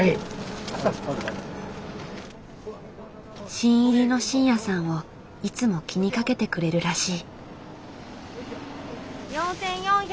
新入りの慎也さんをいつも気にかけてくれるらしい。